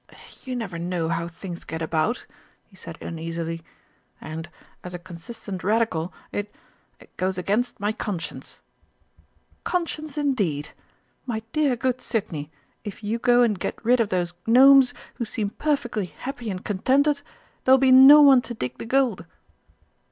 "You never know how things get about," he said uneasily. "And, as a consistent Radical, it it goes against my conscience." "Conscience, indeed! My dear good Sidney, if you go and get rid of those Gnomes, who seem perfectly happy and contented, there'll be no one to dig the gold!"